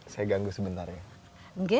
saya ganggu sebentar ya